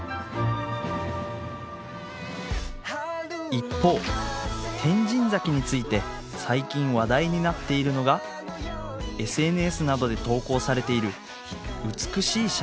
一方天神崎について最近話題になっているのがＳＮＳなどで投稿されている美しい写真。